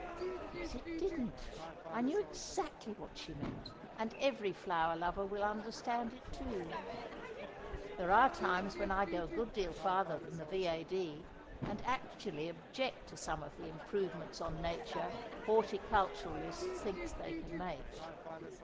Yet it didn't! I knew exactly what she meant; and every flower lover will understand it too. There are times when I go a good deal farther than the V.A.D., and actually object to some of the improvements on Nature horticulturists think they can make.